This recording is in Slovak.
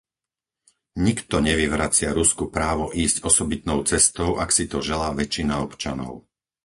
Nikto nevyvracia Rusku právo ísť osobitnou cestou, ak si to želá väčšina občanov.